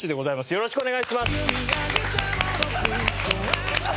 よろしくお願いします。